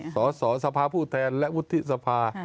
สสสภาผู้แทนและวุฒิสภา